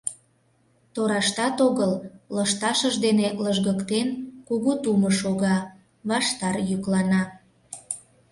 Тораштат огыл, лышташыж дене лыжгыктен, кугу тумо шога, ваштар йӱклана.